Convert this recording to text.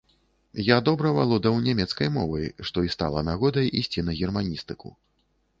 Я добра валодаў нямецкай мовай, што і стала нагодай ісці на германістыку.